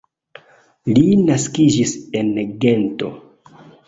Li naskiĝis en Gento.